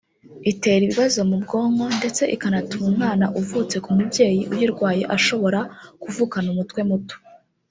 Itera ibibazo mu bwonko ndetse ikanatuma umwana uvutse ku mubyeyi uyirwaye ashobora kuvukana umutwe muto